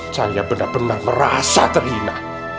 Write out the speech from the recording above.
saya benar benar merasa terhina